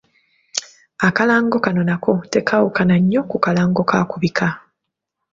Akalango kano nako tekaawukana nnyo ku kalango ka kubika.